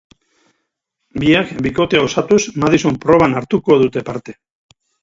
Biak bikotea osatuz madison proban hartuko dute parte.